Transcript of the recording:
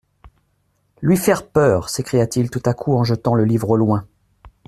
LUI FAIRE PEUR s'écria-t-il tout à coup en jetant le livre au loin.